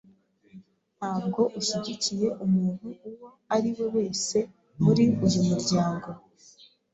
Ntabwo ushyigikiye umuntu uwo ari we wese muri uyu muryango?